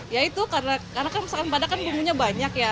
ya itu karena kan padang kan bumbunya banyak ya